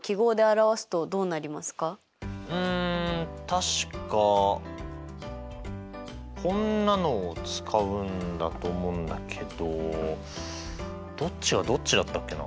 うん確かこんなのを使うんだと思うんだけどどっちがどっちだったっけな？